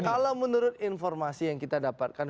kalau menurut informasi yang kita dapatkan